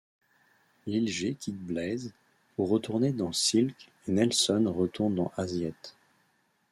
Lil G quitte Blayse pour retourner dans Silk et Nelson retourne dans Az Yet.